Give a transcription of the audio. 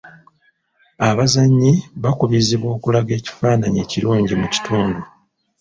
Abazannyi bakubiizibwa okulaga ekifaananyi ekirungi mu kitundu.